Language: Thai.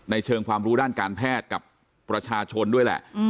เชิงความรู้ด้านการแพทย์กับประชาชนด้วยแหละ